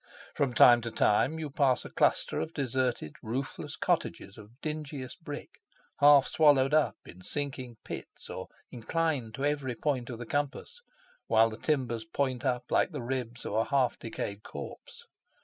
From time to time you pass a cluster of deserted roofless cottages of dingiest brick, half swallowed up in sinking pits or inclining to every point of the compass, while the timbers point up like the ribs of a half decayed corpse.